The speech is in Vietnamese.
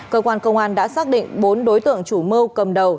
cơ quan công an đã xác định bốn đối tượng chủ mưu cầm đầu